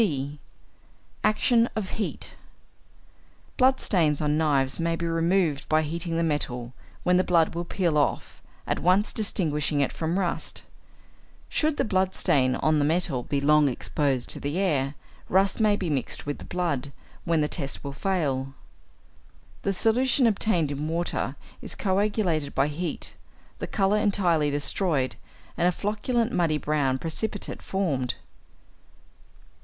(d) =Action of Heat.= Blood stains on knives may be removed by heating the metal, when the blood will peel off, at once distinguishing it from rust. Should the blood stain on the metal be long exposed to the air, rust may be mixed with the blood, when the test will fail. The solution obtained in water is coagulated by heat, the colour entirely destroyed, and a flocculent muddy brown precipitate formed.